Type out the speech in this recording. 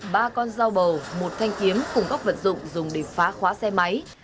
ba con giao bầu một thanh kiếm cùng góc vật dụng dùng để phá khóa xe máy